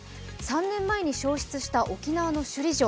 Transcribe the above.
３年前に焼失した沖縄の首里城。